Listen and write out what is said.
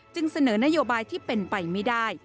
เสนอนโยบายที่เป็นไปไม่ได้